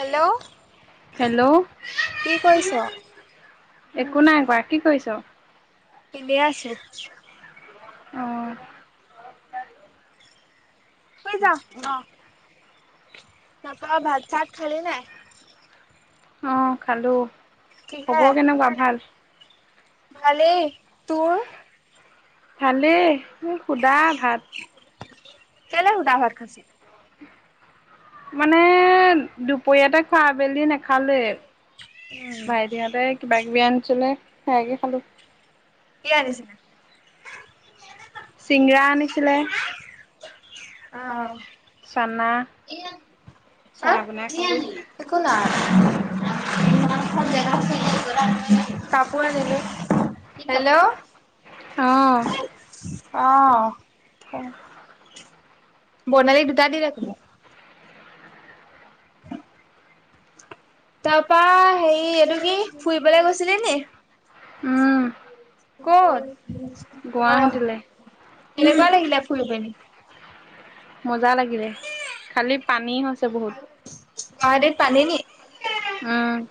Hello hello! কি কৰিছ? একো নাই কোৱা, কি কৰিছ? এনেই আছোঁ। অ'। [unintelligible] অ'। তা পা ভাত চাত খালি নাই? অ', খালোঁ কিহে? খবৰ কেনেকুৱা ভাল? ভালেই, তোৰ? ভালেই, শুদা ভাত। কেলে শুদা ভাত খাইছ? মানে দুপৰীয়াতে খোৱা, আবেলি নেখালোঁৱেই। উম। ভাইটিহঁতে কিবা কিবি আনিছিলে সেয়াকে খালোঁ। কি আনিছিলে? চিংৰা আনিছিলে। অ'। চানা চাহ বনাই খালো। [unintelligible] একো নাই, [unintelligible] কাপোৰ আনিলোঁ। হেল্ল'! অ'। অ', ক! বনালি দুটা দি [unintelligible] [inaudible] তাৰপা হেৰি এইটো কি ফুৰিবলে গৈছিলি নি? উম। ক'ত অ', গুৱাহাটীলে কেনেকুৱা লাগিলে ফুৰি পেনি? মজা লাগিলে, খালি পানী হৈছে বহুত। গুৱাহাটীত পানী নি? উম।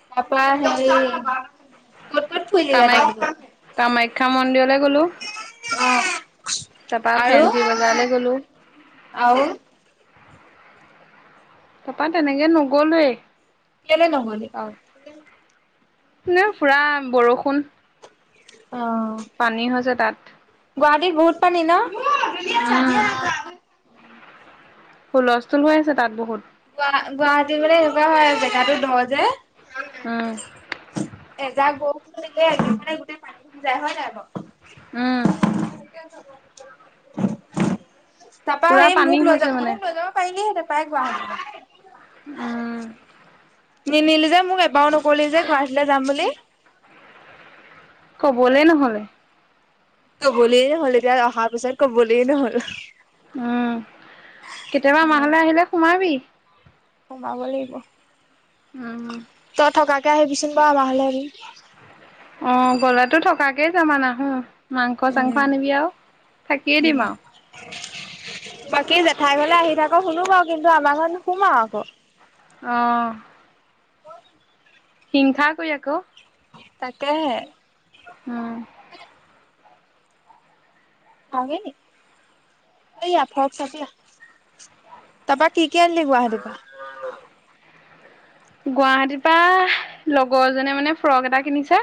[unintelligible] ক'ত ফুৰিলিগে তাৰপিছত কামাখ্যা কামাখ্যা মন্দিৰলৈ গ'লো। অ' তাপা আৰু ফেনঞ্চি বজাৰলৈ গ'লো। আৰু? তাৰাপা তেনেকে নগলোৱেই কেলে ন'গলি? অ', এনে পুৰা বৰষুণ। অ'। পানী হৈছে তাত। গুৱাহাটীট বহুত পানী উম ন'? হুলস্থুল হৈ আছে তাত বহুত। গ গুৱাহাটী মানে এনেকুৱা হয়, জেগাটো দ যে। উম। এজাক বৰষুন দিলে [unintelligible] মানে গোটেই পানীখনি যায় হয় নাই বাৰু? উম। তাৰাপা পুৰা হেৰী পানী মোক লৈ হৈছে যাব মানে মোক লৈ যাব পাৰিলি হেতেন। পাই গুৱাহটি লৈ। উম। নিনিলি যে মোক এবাৰও নকৰিলি যে, ঘৰাহাটীলৈ যাম বুলি। ক'বলে ন'হলে। ক'বলেই নহ'ল এতিয়া অহা পিছত কবলেই ন'হল। উম, কেতিয়াবা আমাৰ ঘৰলে আহিলে সোমাবি। সোমাব লাগিব। উম। তই থকাকে আহিবিচোন বাৰু আমাৰ ঘৰলে এদিন। অ', গলেতো থকাকেই যাম আৰু নাহো মাংস চাংস উম, আনিবি আৰু থাকিয়ে উম। দিম আৰু। বাকী জেঠাই ঘৰলে আহি থাক শুনো আৰু কিন্তু আমাৰ ঘৰত নোসোমাৱ আকৌ। অ'। হিংসা কৰি আকৌ। তাকেহে। উম। [unintelligible] সেইয়া ফ্ৰোগ চাবি আহ। তাৰপৰা কি কি আনিলি গুৱাহাটী পা? গুৱাহাটীৰ পৰা লগৰ এজনীয়ে মানে ফ্ৰক এটা কিনিছে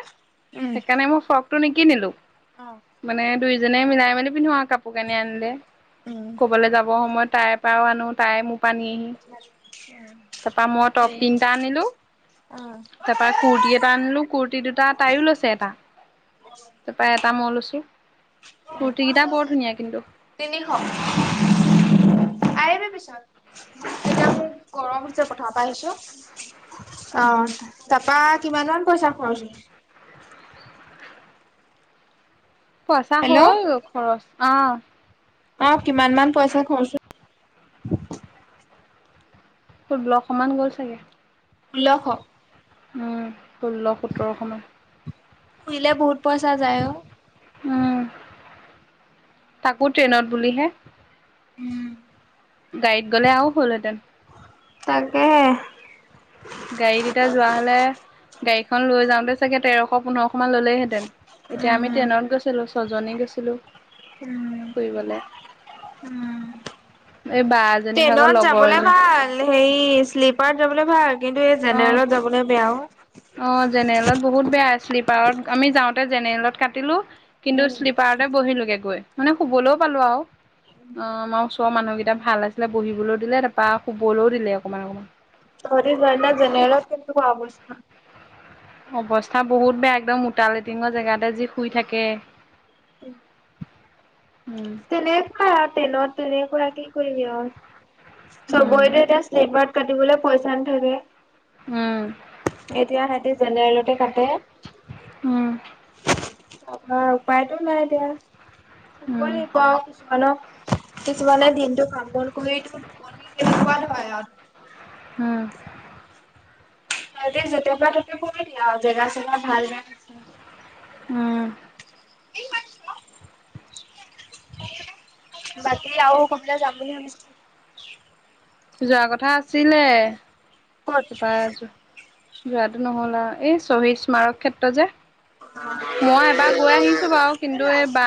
উম, সেইকাৰণে মোৰ ফ্ৰক টো নিকিনিলো অ মানে দুইজনে মিলাই মেলি পিন্ধো। কাপোৰ কানি আনিলে উম, ক'বালৈ যাবৰ সময়ত তাইৰ পৰাও আনো তাই মোৰ পৰা নিয়েহি। [unintelligible] তাৰপৰা মই টপ এইটো তিনিটা আনিলো অ তাৰপৰা কুুৰটি এটা আনিলো কুুৰ্তি দুটা তাইও লৈছে এটা তাৰপৰা এটা মই লৈছো। কুৰ্তী কেইটা বৰ ধুনীয়া কিন্তু। তিনিশ। আহিবি পিছত এতিয়া মোক গৰম উঠিছে পথাৰ পা আহিছো। অ', তাৰাপা কিমান মান মান পইচা খৰচ হ'ল? পইচা হেল্ল' হ'ল খৰচ অ'। অ', কিমান মান পইচা খৰচ হ'ল। ষোল্লশ মান গ'ল চাগে। ষোল্লশ। উম, ষোল্ল সোতৰশ। ফুৰিলে বহুত পইচা যায় অ'। উম, তাকো ট্ৰেইনত বুলিহে। গাড়ীত গ'লে আও হ'লহেঁতেন। তাকে। গাড়ীত এতিয়া যোৱা হ'লে, গাড়ীখন লৈ যাওঁতে চাগে তেৰশ পোন্ধৰশ মান ল'লেইহেঁতেন। এতিয়া আমি উম, ট্ৰেইনত গৈছিলোঁ ছজনী গৈছিলোঁ। উম, উম। এই বা এজনী ভাগৰ ট্ৰেইনত লগৰ যাবলে এজনী ভাল। হেৰি শ্লিপাৰত যাবলে ভাল, কিন্তু এই অ জেনেৰেলত যাবলে বেয়া অ'। অ', জেনেলত বহুত বেয়া। শ্লিপাৰত আমি যাওঁতে জেনেলত কাটিলোঁ কিন্তু শ্লি পাৰতে বহিলোঁগে গৈ মানে শুবলৈও পালোঁ আৰু অ', আমাৰ ওচৰৰ মানুহকেইটা ভাল আছিলে, বহিবলেও দিলে তাৰপা শুবলেও দিলে অকমান, অকণমান। তহঁতে যোৱা দিনা জেনেৰেলত কেনেকুৱা অৱস্থা? অৱস্থা বহুত বেয়া, একদম মোটা লেটিঙৰ জেগাতে যি শুই থাকে। [inaudible] উম তেনেকুৱা আৰু ট্ৰেইনত তেনেকুৱাই কি কৰিবি আৰু। উম চবৰেটো এতিয়া শ্লিপাৰত কাটিবলে পইচা নাথাকে। হয়। এতিয়া সিঁহতি জেনেৰেলতেই কাটে। উম। আমাৰ উপায়তটো নাই এতিয়া, উম। শুবই আৰু কিছুমানৰ, কিছুমানে দিনটো কাম বন কৰি টোপনী কেনেকুৱা হয় আৰু উম। তাকে য'তেই পাই ত'তে বহি দিয়ে আৰু জেগা ছেগা ভাল বেয়া নাচায়। উম। বাকী আও ক'ৰবালে যাম বুলি ভাব যোৱা কথা আছিলে, ক'ত? বাত যোৱাটো নহ'ল আৰু, এই শ্বহীদ স্মাৰক ক্ষেত্ৰ যে। মই এবাৰ গৈ আহিছোঁ বাৰু কিন্তু এই বা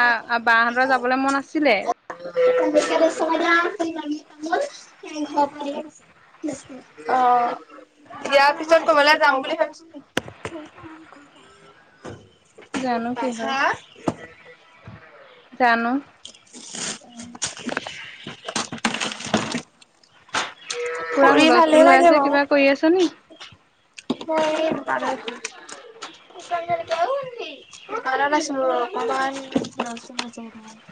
বাহতৰ যাবলেই মন আছিলে! [inaudible] [unintelligible] অ'। বিয়াৰ পিছত ক'বালে যাম বুলি ভাবিছ নেকি? জানো কি হয়! হা জানো! পুৰা ফুৰি ভালেই হুলস্থুল হৈ লাগে আছে, কিবা কৰি আছ নেকি? অ', এইসোপাই [unintelligible] [inaudible]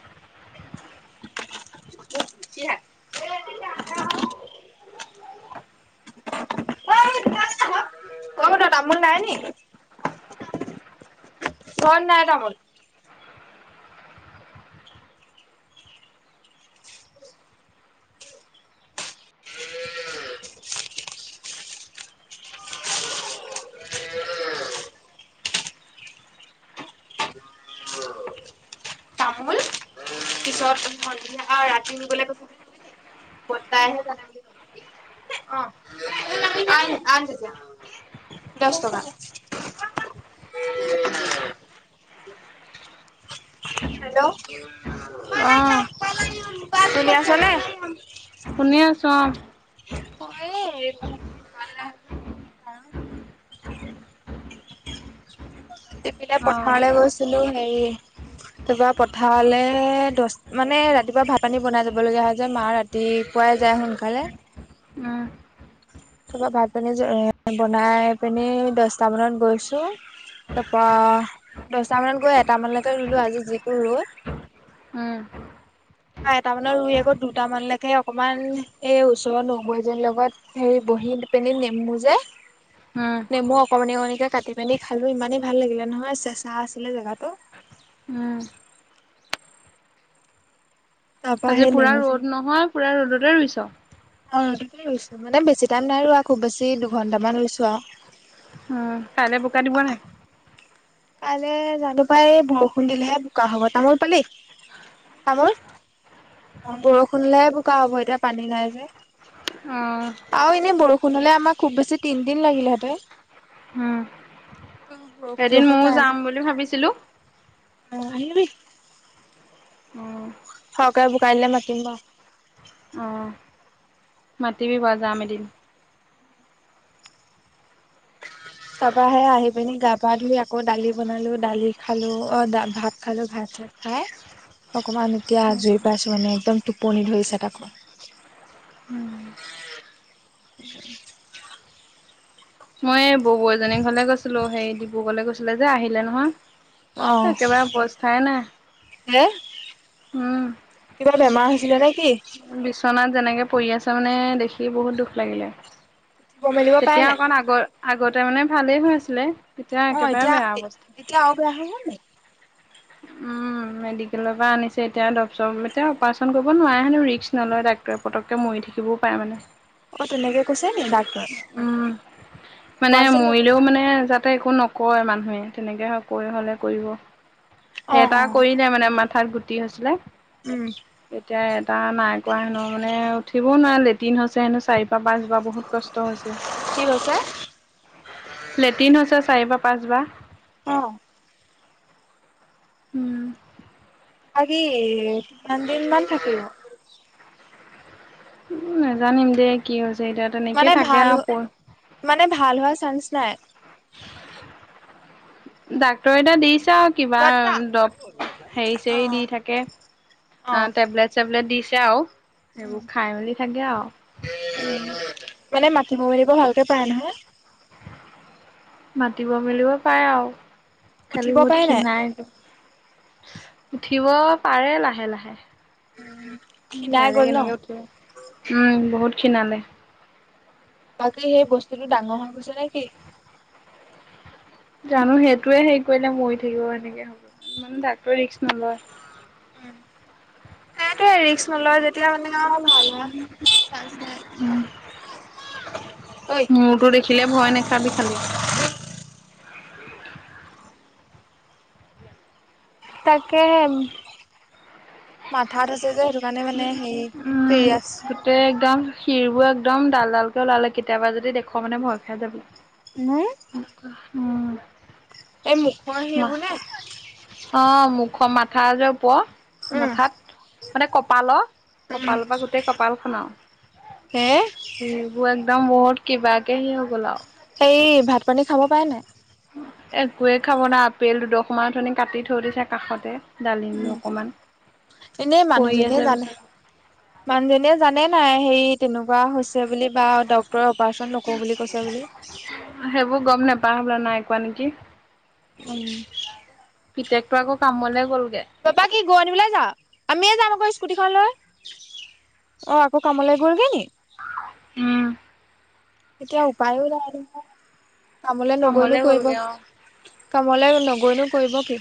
কি শাক? অ তামোল নাই নি? ঘৰত নাই তামোল। [inaudible] [inaudible] তামোল, পিছত সন্ধিয়া ৰাতি নিবলে কৈছে নকবি দেই বৰ্তাইহে জানে বুলি ক'। অ', [unintelligible] দহ টকা। হেল্ল'! অ'। শুনি আছ নে? শুনি আছোঁ অ'। মই এই হেৰি [unintelligible] ইপিনে পথাৰলে অ গৈছিলোঁ হেৰি তোমাৰ পথাৰলৈ দহ মানে ৰাতিপুৱা ভাত পানী বনাই যাব লগীয়া হয় যে মা ৰাতি দে কোৱাই যায় সোনকালে। উম। তোমাৰ ভাত পানী বনাই পিনি দছটা মানত গৈছো। তাৰপা দছটা মানত গৈ এটামানলৈকে ৰুলোঁ। আজি যিটো ৰ'দ উম। বা এটা মানৰ ৰুই আকৌ দুটামানলৈকে অকমান এই ওচৰত নব্বৈ এজনীৰ লগত। হেৰি বহী দি পিনে নেমু যে উম। নেমু অকমানি অকমানি কাটি পিনি খালোঁ। ইমানেই ভাল লাগিলে নহয়, চেঁচা আছিলে জেগাত টো। উম। তাৰপৰা আজি সেই পোৰা নেমু ৰ'দ চেমু নহয়, পোৰা ৰ'দতে ৰুইছোঁ। অ' ৰ'দতে ৰুইছোঁ, মানে বেছি টাইম নাই আৰু আৰু খুব বেছি দুঘন্টামান ৰুইছোঁ আৰু কাইলৈ বোকা দিব নাই? কাইলৈ জানো পাই এই বৰষুণ দিলেহে বোকা হ'ব, তামোল পালি, তামোল অ' বৰষুণ হ'লে বোকা হ'ব, এতিয়া পানী নাই যে। অ আৰু এনে বৰষুণ হ'লে আমাক খুব বেছি তিনদিন লাগিলেহেঁতেন। উম, বৰষুণ এদিন চৰষুণ ময়ো নাই যাম যে বুলি ভাবিছিলোঁ। অ' আহিবি। উম। সৰহকে বোকা দিলে মাতিম বাৰু। অ' মাতিবি বাৰু যাম এদিন। তাৰপাহে আহি পিনি গা পা ধুই আকৌ দালি বনালো, দালি খালোঁ অ' ভাত খালো ভাত চ খাই অকমান এতিয়া আজুৰি পাইছোঁ। মানে একদম টোপনি ধৰিছে তাকো। মই এই ববৌ এজনী ঘৰলৈ গৈছিলোঁ। থৈ সেই ডিব্ৰুগড়লৈ গৈছিলে যে আহিলে অ নহয় একেবাৰে অবস্থাই নাই, উম। কেতিয়াবা বেমাৰ হৈছিলে নেকি? বিচনাত যেনেকে পৰি আছে মানে দেখি বহুত দুখ লাগিলে। উঠিব মেলিব পাৰে তেতিয়া নাই অকণ আগ আগতে মানে ভালেই হৈছিলে। অ' এতিয়া এতিয়া আৰু বেয়া হৈ গ'ল নেকি? উম। মেডিকেলৰ পৰা আনিছে, এতিয়া এতিয়া অপাৰচন কৰিব নোৱাৰে হেনো ৰিস্ক নলয় ডা পতকে মৰি থাকিবও পাৰে মানে। অ' তেনেকে কৈছে ন ডাক্তৰ উম। অপাৰেচন ন- ততে একো নকয় মানুহে তেনেকে হয় কৈ হলে কৰিব সেই অ এটা অ কৰিলে মানে ম - থ্ৰাৰ্ড গুটি হৈছিলে। উম। এতিয়া এটা নাই কৰোৱা হেনো মানে উঠিবও নোৱাৰে লেটিন হৈছে হেনো চাৰি পাঁচ বহুত কষ্ট হৈছে, কি কৈছে? লেটিন চাৰিবাৰ, পাঁচ বাৰ। অ' উম। আজি কিমান দিন মান থাকিব? উম, নাজানিম দেই কি হৈছে এ তাত। মানে ভাল মানে ভাল হোৱা চান্স নাই। ডাক্তৰে এটা দিছে। কিবা বৰ্তা দব হেৰি চেৰি দি অ'। থাকে অ' টেবলেট। চেবলেৌ দিছে আৰু সেইবোৰ খাই মেলি থাকে আৰু। উম, মানে মাটি মেলিব ভালকে পাই নহয়। মাতিব মেলিব পাৰে আৰু, উঠিব খালি বহুত পাৰে নাই? খিনাই উঠিব, পাৰে লাহে লাহে। ক্ষীণাই ডাইৰেক্ গ'ল এনেকে ন' উঠিব, উম, বহুত খীণালে। বাকী সেই বস্তু টো, ডাঙৰ হৈ গৈছে নে কি? জানো, সেইটোৱে হেৰি কৰিলে মৰি থাকিব সেনেকে, মানে ডাক্তৰে ৰিক্স নলয়। উম, সেইটোৱে ৰিক্স নলয় যে এতিয়া মানে ভাল ঐ মোৰটো দেখিলে, ভয় নাখাবি খালি। তাকেহে, মাথা ধুইছোঁ যে মানে, মানে হেৰি, ফেৰি আছ। [unintelligible] ততে একদম, শিৰ বোৰ একদম, ডাল ডালকে ওলালে, কেতিয়াবা যদি দেখোঁ মানে, ভয় খাই যাব। নই, [unintelligible] [unintelligible] এই মুখৰ শিৰবোৰ নে? অ', মুখৰ মাথা যে ওপৰৰ, উম, মাথাত। মানে কপালৰ উম, কপালৰ, পৰা গোটেই কপাল খন আৰু হে। সেইবোৰ একদম, বহুত কিবা কে হেৰি হৈ গ'ল আৰু। হেৰি, ভাত পানী খাব পাৰেনে নোৱাৰে? একোৱে খাব নোৱাৰে আপেল দুদখৰ মান, কাটি থৈ দিছে কাষতে। ডালিম উম, অকমান এনেই পৰি মানুহজনীয়ে আছে জানে বিচনাত মানুহ জনীয়ে জানে নাই, হেৰি তেনেকুৱা হৈছে বুলি, বা ডক্তৰে অপাৰেচন নকৰোঁ বুলি কৈছে বুলি। [inaudible] সেইবোৰ গম নাপাওঁ হ'বলা, নাই কোৱা নেকি? উম, পিতেকটো আকৌ, কামলে গ'লগে। বাবা কি গৰু আনিবলৈ যাৱ, আমিয়ে যাম আকৌ স্কুটিখন লৈ। অ ', আকৌ কামলৈ গ'লগে নি? উম। এতিয়া উপায়ো নাই নহয়, কামলে নগৈনো কৰিব গ'লগে কি। অ। কামলৈ নগৈনো কৰিব কি?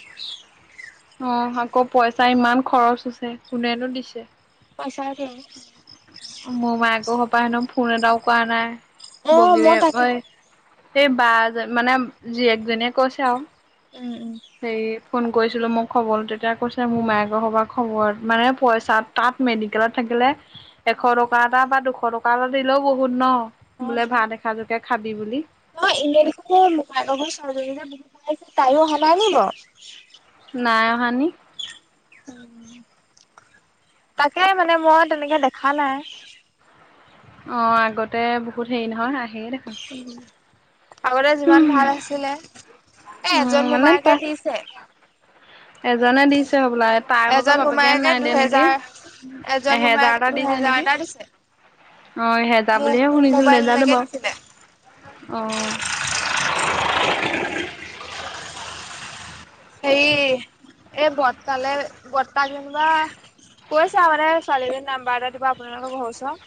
অ', আকৌ পইচা ইমান খৰচ আছে, কোনেনো দিছে। সচাঁকে। মােমায়েকৰ ঘৰৰ পৰা হেনো, ফোন এটাও কৰা নাই, অ মই বগীৰে তাকে ঐ সেই বাজন মানে, যিয়েক জনীয়ে কৈছে আৰু। উম, উম। হেৰি ফোন কৰিছিলোঁ। মোক খব তেতিয়া কৈছে, মোমায়েক সোপা খবৰ, মানে পইচা তাত মেডিকেলত থাকিলে এশ টকা এটা, বা দুশ টকা এটা দিলেও বহুত ন', বোলে ভাত এখা জকে খাবি বুলি। অ', এনে দেখোন যে, ভাৰ্গৱ [unintelligible] ছােৱালীজনী যে বহুত ভাল, তাইয়ো অহা নাই নেকি বাৰু। নাই অহা নেকি। তাকে মানে, মই তেনেকে দেখা নাই। অ', আগতে বহুত হেৰি নহয়, আহেই দেখোন। আগতে যিমান ভাল আছিলে, উম, এ-এজন মানে মোমায়েকে তা দিছে। এজনে দিছে হ'বলা তাই ভাগৰ এজন বাপেকে মোমায়েকে নাই দিয়া নেকি? দুহেজাৰ এজন মোমায়েকে এহেজাৰটা দিছে দুহেজাৰ নেকি? এটা দিছে অ', এহেজাৰ মোৰ বুলিহে মোৰ শুনিছিলোঁ, নজানো মোবাইললৈকে বাৰু, দিছিলে অহ। হেৰি, এই বৰ্তালে, বৰ্তা যেনিবা কৈছে মানে, ছোৱালীজনী নাম্বাৰ এটা দিবা, আপোনালোকৰ ঘৰৰ ওচৰৰ।